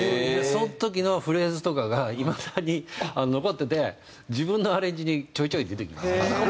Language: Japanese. その時のフレーズとかがいまだに残ってて自分のアレンジにちょいちょい出てきます。